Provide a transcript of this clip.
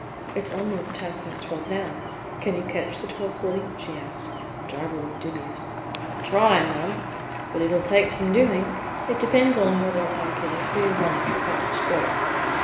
"It's almost half past twelve now. Can you catch the 12.40?" she asked. The driver looked dubious. "I'll try, ma'am, but it'll take some doing. It depends whether I get a clear run at Trafalgar Square."